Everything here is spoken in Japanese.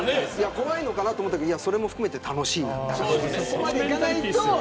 怖いのかなと思ったけどそれも含めて楽しいという話でした。